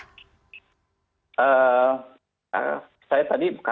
saya tadi katakan bahwa beberapa pasangan